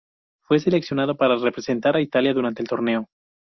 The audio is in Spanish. Fue seleccionado para representar a Italia durante el torneo.